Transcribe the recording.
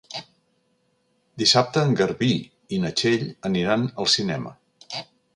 Dissabte en Garbí i na Txell aniran al cinema.